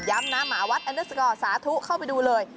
ย้ำนะหมาวัดสาธุเข้าไปดูเลย